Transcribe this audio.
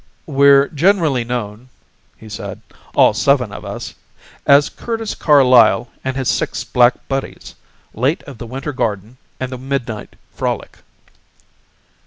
"We're generally known," he said "all seven of us, as Curtis Carlyle and his Six Black Buddies late of the Winter Garden and the Midnight Frolic."